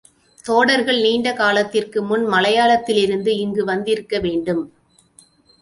தோடர்கள் நீண்ட காலத்திற்கு முன் மலையாளத்திலிருந்து இங்கு வந்திருக்க வேண்டும்.